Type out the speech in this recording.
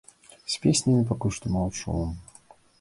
З песнямі пакуль што маўчу.